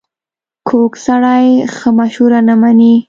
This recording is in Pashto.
کوږ سړی ښه مشوره نه مني